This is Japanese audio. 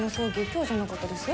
今日じゃなかったです？